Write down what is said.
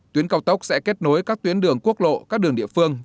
tuyến cao tốc sẽ kết nối các tuyến đường quốc lộ các đường địa phương